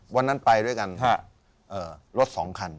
วันนั้นไปด้วยกันรถสองคัน